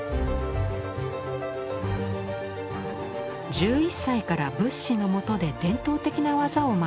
１１歳から仏師のもとで伝統的な技を学んだ光雲。